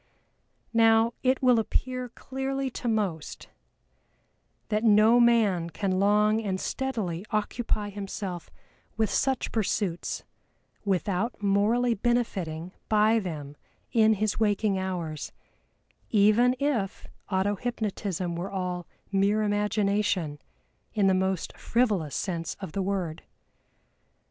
Now it will appear clearly to most, that no man can long and steadily occupy himself with such pursuits, without morally benefiting by them in his waking hours, even if auto hypnotism were all "mere imagination," in the most frivolous sense of the word.